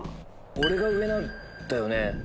俺が上なんだよね。